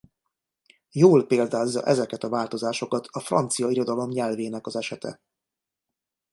Jól példázza ezeket a változásokat a francia irodalom nyelvének az esete.